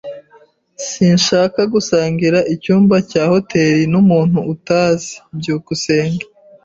Sinshaka gusangira icyumba cya hoteri n’umuntu utazi. byukusenge